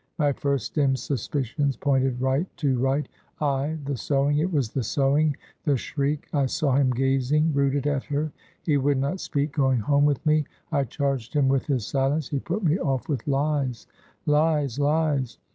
My first dim suspicions pointed right! too right! Ay the sewing! it was the sewing! The shriek! I saw him gazing rooted at her. He would not speak going home with me. I charged him with his silence; he put me off with lies, lies, lies!